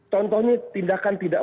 contohnya tindakan tidak